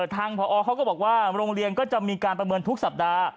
ทางพอเขาก็บอกว่าโรงเรียนก็จะมีการประเมินทุกสัปดาห์